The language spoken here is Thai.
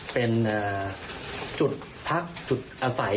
เป็นจุดพักจุดอาศัย